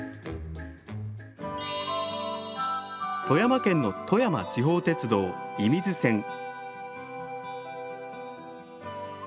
富山県の富山地方鉄道射水線。